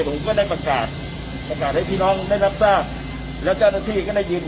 ผมก็ได้ประกาศประกาศให้พี่น้องได้รับทราบแล้วเจ้าหน้าที่ก็ได้ยิน